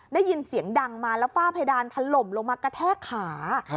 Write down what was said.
ได้ยินเสียงดังมาแล้วฝ้าเพดานถล่มลงมากระแทกขา